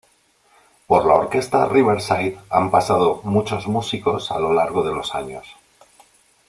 Por la Orquesta Riverside han pasado muchos músicos a lo largo de los años.